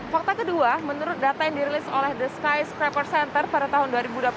fakta kedua menurut data yang dirilis oleh the skys paper center pada tahun dua ribu dua puluh satu